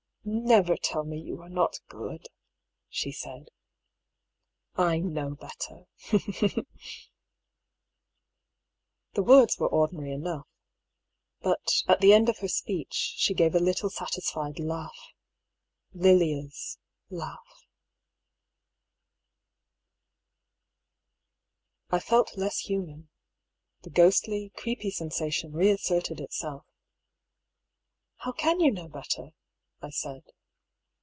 " Never tell me you are not good," she said ;" I know better." The words were ordinary enough. But at the end of her speech she gave a little satisfied laugh — Lilians laugh. EXTRACT FROM DIARY OP DR. HUGH PAULL. 263 I felt less haman — the ghostly, creepy sensation re asserted itself. " How can you know better ?" I said.